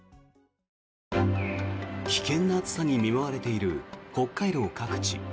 危険な暑さに見舞われている北海道各地。